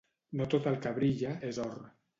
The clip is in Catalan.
No tot el que brilla és or